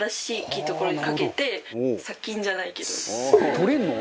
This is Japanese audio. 「取れるの？」